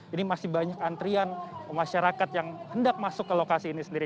ini masih banyak antrian masyarakat yang hendak masuk ke lokasi ini sendiri